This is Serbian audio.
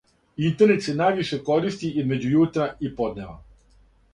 Интернет се највише користи између јутра и поднева.